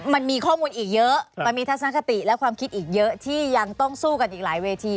มันมีข้อมูลอีกเยอะมันมีทัศนคติและความคิดอีกเยอะที่ยังต้องสู้กันอีกหลายเวที